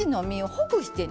ほぐして！